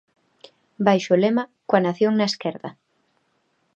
Baixo o lema "Coa nación na esquerda".